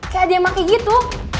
kayak ada yang pakai gitu